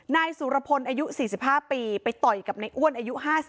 นายสุรพลอายุ๔๕ปีไปต่อยกับในอ้วนอายุ๕๐